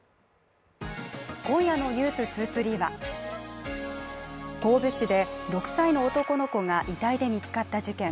今夜の「ｎｅｗｓ２３」は神戸市で６歳の男の子が遺体で見つかった事件。